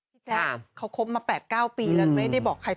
แจ๊คเขาคบมา๘๙ปีแล้วไม่ได้บอกใคร